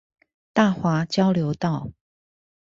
大華交流道